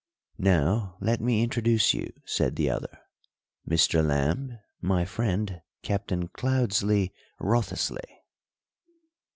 "Now let me introduce you," said the other. "Mr. Lamb. My friend, Captain Cloudesley Wriothesley.